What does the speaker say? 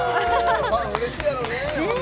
ファンうれしいやろうね。